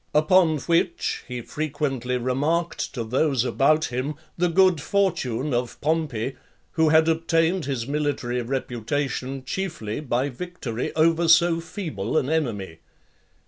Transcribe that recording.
Upon which, he frequently remarked to those about him the good fortune of Pompey, who had obtained his military reputation, chiefly, by victory over so feeble an enemy.